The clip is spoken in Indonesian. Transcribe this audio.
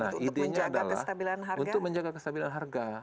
nah ide nya adalah untuk menjaga kestabilan harga